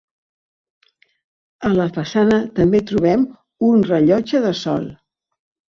A la façana també trobem un rellotge de sol.